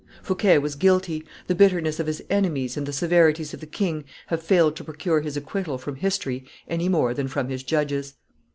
Fouquet was guilty; the bitterness of his enemies and the severities of the king have failed to procure his acquittal from history any more than from his judges.